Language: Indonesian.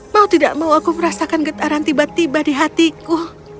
mau tidak mau aku merasakan getaran tiba tiba di hatiku